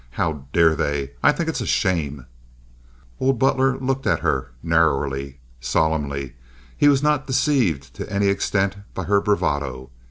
How dare they! I think it's a shame!" Old Butler looked at her narrowly, solemnly. He was not deceived to any extent by her bravado.